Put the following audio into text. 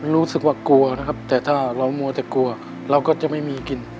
รู้สึกว่ากลัวนะครับแต่ถ้าเรามัวแต่กลัวเราก็จะไม่มีกิน